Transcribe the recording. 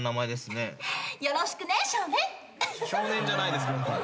少年じゃないですけど。